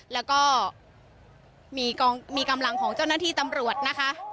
แล้วก็มีกำลังของเจ้าหน้าที่ตำรวจนะคะ